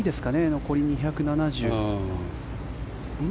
残り２７０。